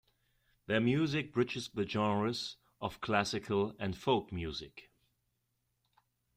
Their music bridges the genres of classical and folk music.